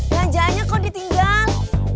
janjanya kok ditinggal